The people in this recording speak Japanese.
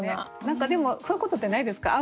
何かでもそういうことってないですか？